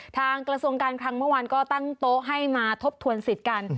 กระทรวงการคลังเมื่อวานก็ตั้งโต๊ะให้มาทบทวนสิทธิ์กัน